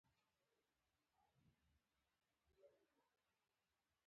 خوب د تودو زړونو خوند دی